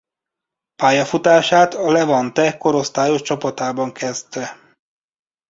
Pályafutását a Levante korosztályos csapatában kezdte.